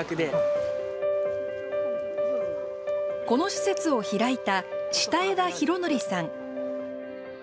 この施設を開いた下枝浩徳さん。